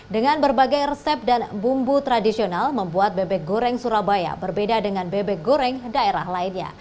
dengan berbagai resep dan bumbu tradisional membuat bebek goreng surabaya berbeda dengan bebek goreng daerah lainnya